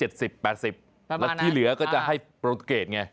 แล้วที่เหลือก็จะให้โปรตูเกตไง